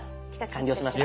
完了しました。